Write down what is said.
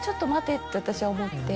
って私は思って。